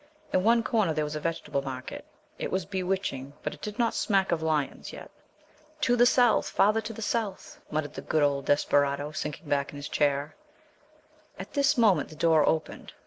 In one corner there was a vegetable market. It was bewitching, but it did not smack of lions yet. "To the South! farther to the South!" muttered the good old desperado, sinking back in his corner. At this moment the door opened.